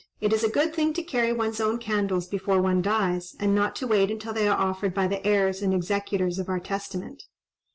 It is a good thing to carry one's own candles before one dies, and not to wait until they are offered by the heirs and executors of our testament."